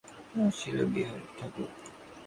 ঘরের মধ্য হইতে তৎক্ষণাৎ আহ্বান আসিল, বিহারী-ঠাকুরপো।